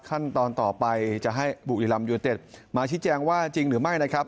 ขั้นตอนต่อไปจะให้บุรีรัมยูเต็ดมาชี้แจงว่าจริงหรือไม่นะครับ